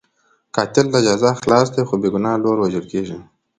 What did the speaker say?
قاتل له جزا خلاص دی، خو بې ګناه لور وژل کېږي.